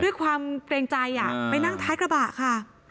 เพื่อความเตรียมใจอ่ะไปนั่งท้ายกระบะค่ะ